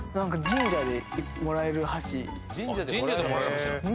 神社でもらえる箸なんだ。